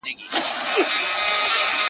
• هر یو غشی چي واریږي زموږ له کور دی -